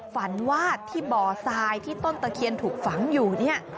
ฝันว่าที่บ่อทรายที่ต้นตะเคียนถูกฝังอยู่เนี่ย